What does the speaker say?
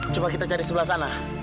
coba kita cari sebelah sana